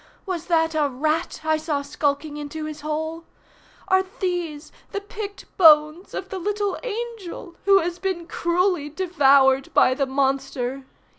Was that a rat I saw skulking into his hole? Are these the picked bones of the little angel who has been cruelly devoured by the monster?